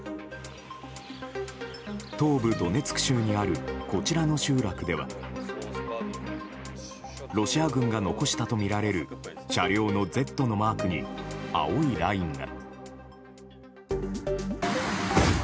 東部ドネツク州にあるこちらの集落ではロシア軍が残したとみられる車両のＺのマークに青いラインが。